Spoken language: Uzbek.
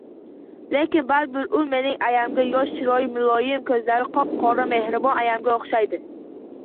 Lekin baribir u mening ayamga – yosh, chiroyli, muloyim, koʻzlari qop-qora, mehribon ayamga oʻxshaydi.